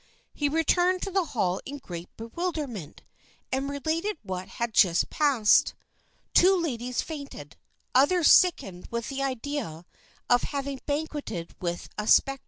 He returned to the hall in great bewilderment, and related what had just passed. Two ladies fainted; others sickened with the idea of having banqueted with a spectre.